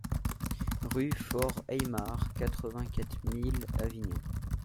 Rue Faure Aymard, quatre-vingt-quatre mille Avignon